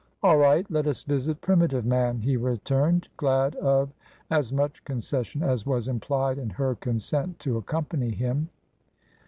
" All right. Let us visit primitive man," he returned, glad of as much concession as was implied in her consent to accompany him.